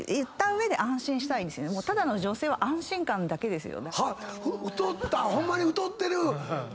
ただの女性は安心感だけですよ。